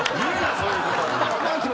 そういうこと。